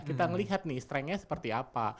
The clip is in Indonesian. kita ngelihat nih strengnya seperti apa